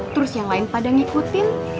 terus yang lain pada ngikutin